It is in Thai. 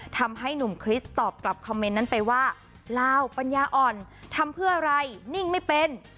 ทำให้หนุ่มคริสตอบกลับคอมเมนต์นั้นไปว่าลาวปัญญาอ่อนทำเพื่ออะไรนิ่งไม่เป็น